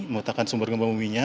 memetakan sumber gempa buminya